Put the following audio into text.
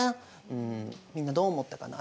うんみんなどう思ったかな？